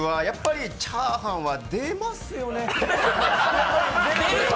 やっぱりチャーハンは出ますよね。